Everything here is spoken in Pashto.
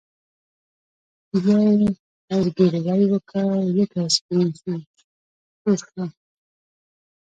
بیا یې زګیروی وکړ ځکه سکرین سور شو